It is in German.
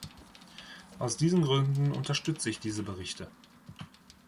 Aus diesen Gründen unterstütze ich diese Berichte.